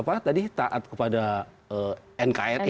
apa tadi taat kepada nkri